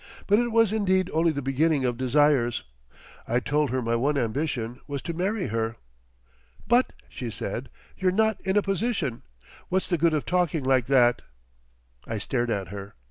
But it was indeed only the beginning of desires. I told her my one ambition was to marry her. "But," she said, "you're not in a position—What's the good of talking like that?" I stared at her.